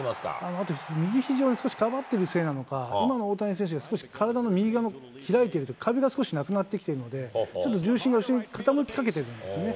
あと右ひじを少しかばっているせいなのか、今の大谷選手は少し体の右側が開いて、壁が少しなくなってきているので、ちょっと重心が後ろに傾きかけてるんですね。